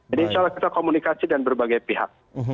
jadi insya allah kita komunikasi dengan berbagai pihak